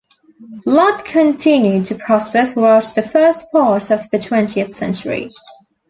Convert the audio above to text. Lott continued to prosper throughout the first part of the twentieth century.